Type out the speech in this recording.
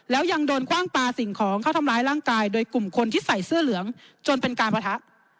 แล้วยังโดนคว่างปลาสิ่งของเข้าทำร้ายร่างกายโดยกลุ่มคนที่ใส่เสื้อเหลืองจนเป็นการปะทะ